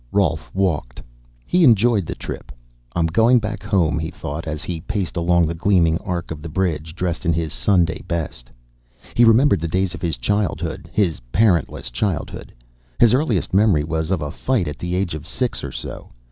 Rolf walked. He enjoyed the trip. I'm going back home, he thought as he paced along the gleaming arc of the bridge, dressed in his Sunday best. He remembered the days of his own childhood, his parentless childhood. His earliest memory was of a fight at the age of six or so.